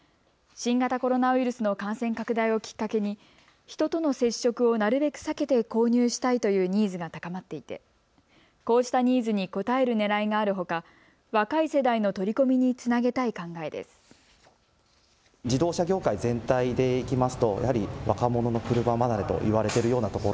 新型コロナウイルスの感染拡大をきっかけに人との接触をなるべく避けて購入したいというニーズが高まっていてこうしたニーズに応えるねらいがあるほか若い世代の取り込みにつなげたい考えです。